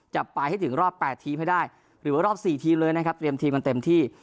จะไปให้ถึงรอบ๘ทีมให้ได้หรือว่ารอบ๔ทีมเลยนะครับเตรียมทีมกันเต็มที่